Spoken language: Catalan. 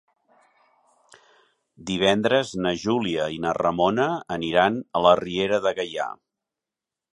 Divendres na Júlia i na Ramona aniran a la Riera de Gaià.